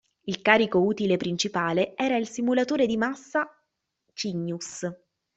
Il carico utile principale era il simulatore di massa Cygnus.